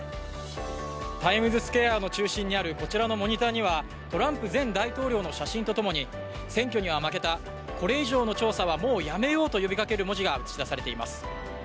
タイムズスクエアの中心にあるこちらのモニターにはトランプ前大統領の写真と共に、選挙には負けたこれ以上の調査はもうやめようと呼びかける文字が映し出されています。